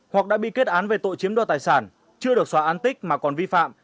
hoặc đã bị kết án về tội chiếm đoạt tài sản chưa được xóa án tích mà còn vi phạm